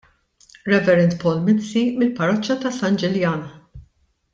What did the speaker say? Rev. Paul Mizzi mill-Parroċċa ta' San Ġiljan.